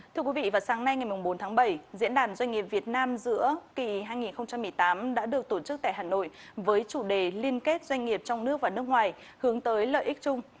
thưa quý vị vào sáng nay ngày bốn tháng bảy diễn đàn doanh nghiệp việt nam giữa kỳ hai nghìn một mươi tám đã được tổ chức tại hà nội với chủ đề liên kết doanh nghiệp trong nước và nước ngoài hướng tới lợi ích chung